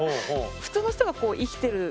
普通の人が生きてる